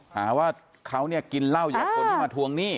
หาว่าเขากินเหล้าอยากกดมาทวงหนี้